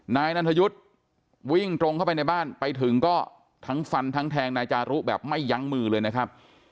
นายนันทยุทธ์วิ่งตรงเข้าไปในบ้านไปถึงก็ทั้งฟันทั้งแทงนายจารุแบบไม่ยั้งมือเลยนะครับ